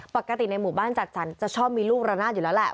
ปกติในหมู่บ้านจัดสรรจะชอบมีลูกระนาดอยู่แล้วแหละ